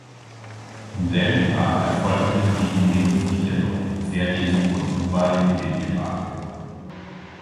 Im selben Jahr erfolgte die Indienststellung im Fährdienst von Dubai in den Irak.